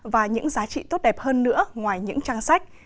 và những giá trị tốt đẹp hơn nữa ngoài những trang sách